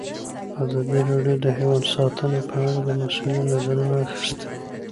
ازادي راډیو د حیوان ساتنه په اړه د مسؤلینو نظرونه اخیستي.